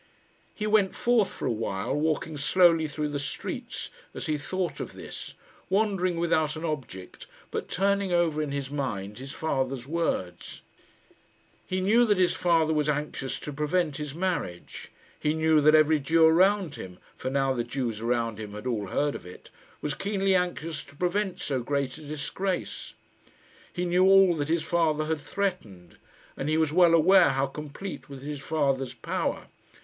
He went forth for a while, walking slowly through the streets, as he thought of this, wandering without an object, but turning over in his mind his father's words. He knew that his father was anxious to prevent his marriage. He knew that every Jew around him for now the Jews around him had all heard of it was keenly anxious to prevent so great a disgrace. He knew all that his father had threatened, and he was well aware how complete was his father's power.